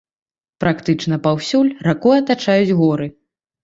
Практычна паўсюль раку атачаюць горы.